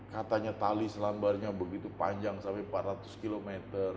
katanya tali selambarnya begitu panjang sampai empat ratus km